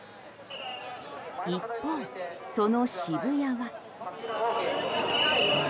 一方、その渋谷は。